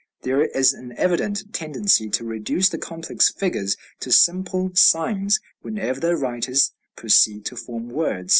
There is an evident tendency to reduce the complex figures to simple signs whenever the writers proceed to form words.